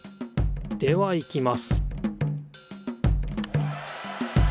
ではいきます